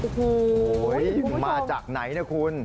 โอ้โหมาจากไหนนะคุณ